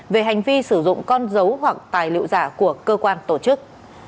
về hành vi sử dụng con dấu hoặc tài liệu giả của cơ quan tổ chức